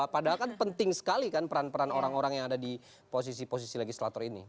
padahal kan penting sekali kan peran peran orang orang yang ada di posisi posisi legislator ini